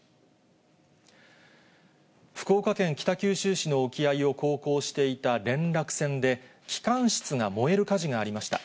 福岡県北九州市の沖合を航行していた連絡船で機関室が燃える火事がありました。